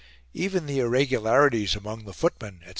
Even the irregularities among the footmen, etc.